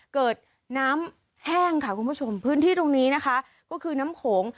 เกิดน้ำแห้งค่ะคุณผู้ชมพื้นที่ตรงนี้นะคะก็คือน้ำโขง